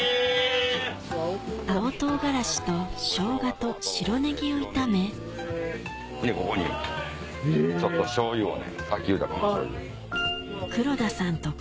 青唐辛子とショウガと白ネギを炒めここにちょっと醤油をね。